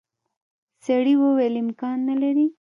سړي وویل امکان نه لري.